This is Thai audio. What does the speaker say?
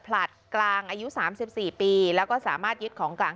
ผลัดกลางอายุ๓๔ปีแล้วก็สามารถยึดของกลาง